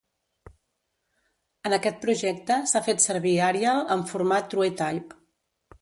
En aquest projecte s'ha fet servir Arial en format TrueType.